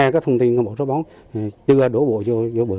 các thông tin của bộ trợ bóng chưa đổ bộ vô bờ